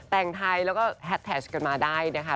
แต่งไทยแล้วก็แฮดแท็กกันมาได้นะคะ